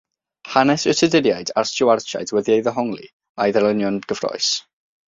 Hanes y Tuduriaid a'r Stiwartiaid wedi ei ddehongli a'i ddarlunio'n gyffrous.